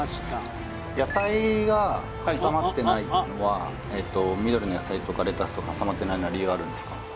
野菜が挟まってないのは緑の野菜とかレタスとか挟まってないのは理由あるんですか？